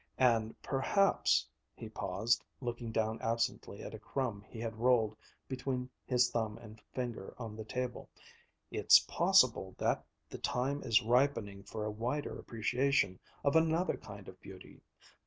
And perhaps," he paused, looking down absently at a crumb he rolled between his thumb and finger on the table, "it's possible that the time is ripening for a wider appreciation of another kind of beauty